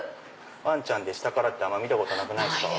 ワンちゃん下からって見たことなくないですか。